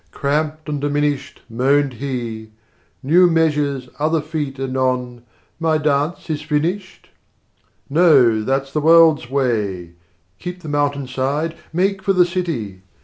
Cramped and diminished, Moaned he, "New measures, other feet anon! My dance is finished?" 40 No, that's the world's way: (keep the mountain side, Make for the city!)